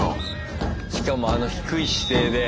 しかもあの低い姿勢で。